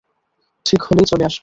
ঠিক হলেই চলে আসবে।